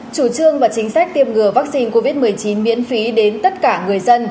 chủ trương và chính sách tiêm ngừa vaccine covid một mươi chín miễn phí đến tất cả người dân